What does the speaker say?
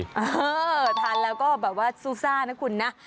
เออทานแล้วก็แบบว่าซูซ่านะคุณนะ